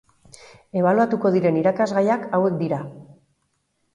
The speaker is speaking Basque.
Ebaluatuko diren irakasgaiak hauek dira.